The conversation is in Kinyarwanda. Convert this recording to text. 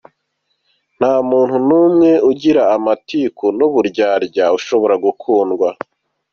Nta muntu n’umwe ugira amagambo, amatiku n’ubujajwa ushobora gukundwa.